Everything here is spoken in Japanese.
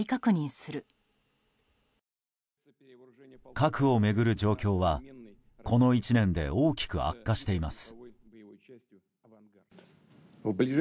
核を巡る状況は、この１年で大きく悪化しています。